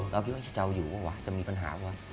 เรากิดว่าจะเอาอยู่หรอวะจะมีปัญหาหรอ